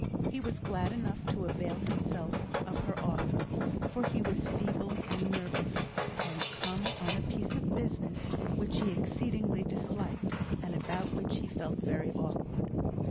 He was glad enough to avail himself of her offer; for he was feeble and nervous, and come on a piece of business which he exceedingly disliked, and about which he felt very awkward.